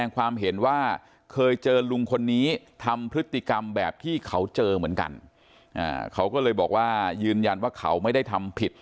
เขาก็เลยบอกว่ายืนยันว่าเขาไม่ได้ทำผิด